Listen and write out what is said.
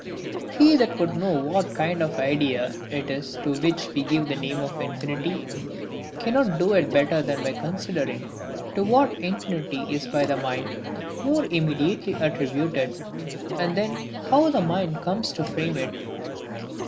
He that would know what kind of idea it is to which we give the name of INFINITY, cannot do it better than by considering to what infinity is by the mind more immediately attributed; and then how the mind comes to frame it.